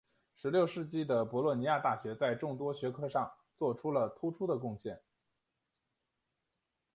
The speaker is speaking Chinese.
十六世纪的博洛尼亚大学在众多学科上做出了突出的贡献。